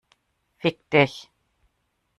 Fick dich!